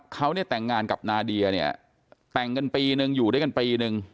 เขาเนี่ยแต่งงานกับนาเดียเนี่ยแต่งกันปีนึงอยู่ด้วยกันปีนึง